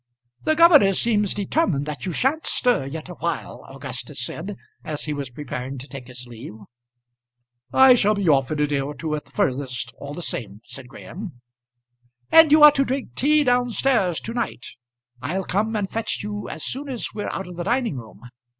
"The governor seems determined that you sha'n't stir yet awhile," Augustus said as he was preparing to take his leave. "I shall be off in a day or two at the furthest all the same," said Graham. "And you are to drink tea down stairs to night. I'll come and fetch you as soon as we're out of the dining room.